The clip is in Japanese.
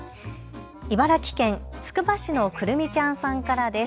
茨城県つくば市のくるみちゃんさんからです。